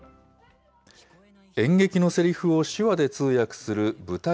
演劇のせりふを手話で通訳する舞台